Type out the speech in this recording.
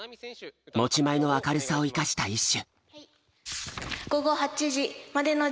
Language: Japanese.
持ち前の明るさを生かした一首。